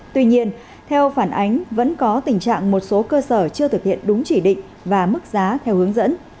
tuy nhiên theo phản ánh vẫn có tình trạng một số cơ sở chưa thực hiện đúng chỉ định và mức giá theo hướng dẫn